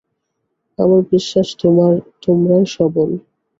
আমার বিশ্বাস তোমরাই সবল।